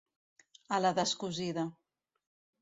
A la descosida.